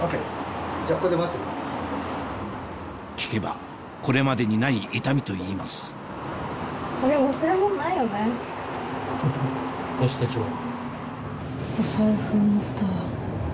聞けばこれまでにない痛みといいます母子手帳は？